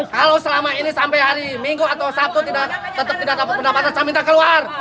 kalau selama ini sampai hari minggu atau sabtu tetap tidak dapat pendapatan saya minta keluar